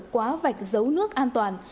quá vạch giấu nước an toàn